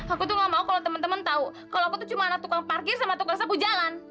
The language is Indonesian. aku tuh gak mau kalo temen temen tau kalo aku tuh cuma anak tukang parkir sama tukang sabu jalan